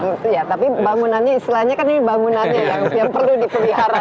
iya tapi bangunannya istilahnya kan ini bangunannya yang perlu dipelihara